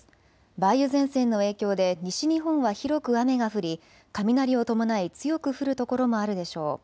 梅雨前線の影響で西日本は広く雨が降り、雷を伴い強く降る所もあるでしょう。